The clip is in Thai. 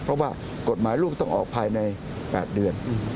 เพราะว่ากฎหมายลูกต้องออกภายใน๘เดือน